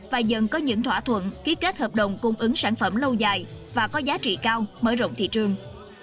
và dần có những thỏa thuận ký kết hợp đồng cung ứng sản phẩm lâu dài và có giá trị cao mở rộng thị trường